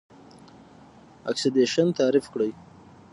اکسیدیشن تعریف کړئ.